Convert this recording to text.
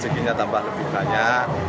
sehingga tambah lebih banyak